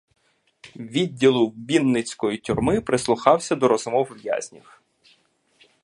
відділу Вінницької тюрми, прислухаюся до розмов в'язнів.